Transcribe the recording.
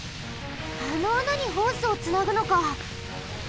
あのあなにホースをつなぐのか！